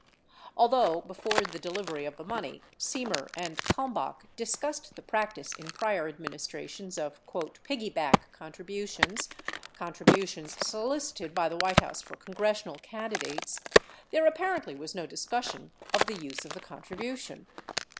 Although before the delivery of the money, Semer and Kalmbach discussed the practice in prior administrations of "piggyback" contributions — con tributions solicited by the White House for congressional candidates — there apparently was no discussion of the use of the contribution.